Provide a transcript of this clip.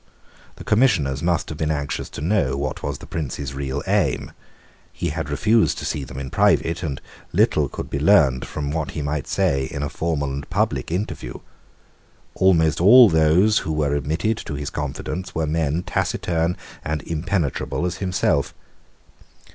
The Commissioners must have been anxious to know what was the Prince's real aim. He had refused to see them in private; and little could be learned from what he might say in a formal and public interview. Almost all those who were admitted to his confidence were men taciturn and impenetrable as himself.